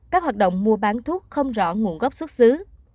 các hoạt động mua bán thuốc không rõ nguồn gốc xuất xứ